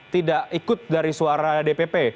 tidak ikut dari suara dpp